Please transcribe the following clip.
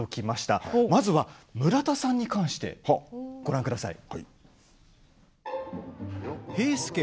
まずは村田さんに関してです。